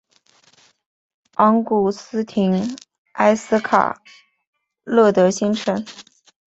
昂古斯廷埃斯卡勒德新城。